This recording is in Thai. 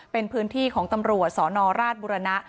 เป็นพื้นที่ของตำรวจสนราชบุรณะ